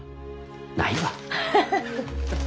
ないわ。